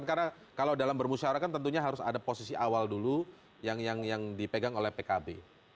karena kalau dalam bermusyarah kan tentunya harus ada posisi awal dulu yang dipegang oleh pkb